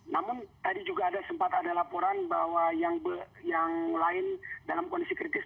namun tadi juga ada sempat ada laporan bahwa yang lain dalam kondisi kritis